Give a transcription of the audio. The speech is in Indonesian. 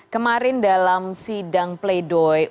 kemarin dalam sidang play doh